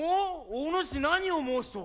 おぬし何を申しておる？